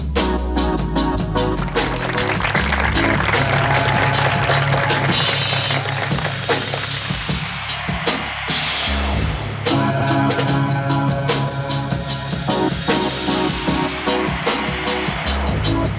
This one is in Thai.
ทำอะไรอีกอย่าทำอะไรอีก